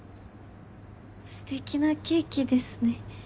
すてきなケーキですね。